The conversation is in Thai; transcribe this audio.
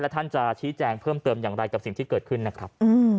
ท่านจะชี้แจงเพิ่มเติมอย่างไรกับสิ่งที่เกิดขึ้นนะครับ